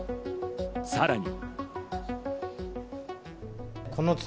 さらに。